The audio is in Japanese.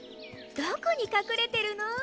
どこに隠れてるの？